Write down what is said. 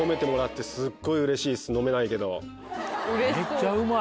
めっちゃうまい。